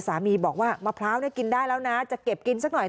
สามีบอกว่ามะพร้าวกินได้แล้วนะจะเก็บกินสักหน่อย